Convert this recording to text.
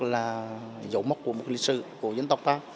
là dấu mốc của một lý sư của dân tộc ta